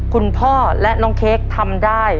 คุณพ่อและน้องเค้กทำได้